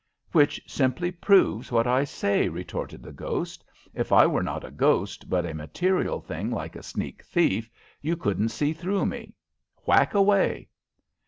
"Which simply proves what I say," retorted the ghost. "If I were not a ghost, but a material thing like a sneak thief, you couldn't see through me. Whack away."